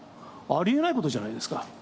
ありえないことじゃないですか。